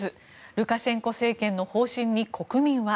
ルカシェンコ政権の方針に国民は？